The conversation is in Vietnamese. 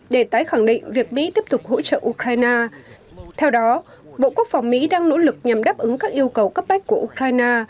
để tái khẳng định việc mỹ tiếp tục hỗ trợ ukraine theo đó bộ quốc phòng mỹ đang nỗ lực nhằm đáp ứng các yêu cầu cấp bách của ukraine